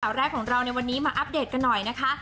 ภักดิ์สต่อแรกของเราในวันนี้มาอัพเดทกันหน่อยนะคะ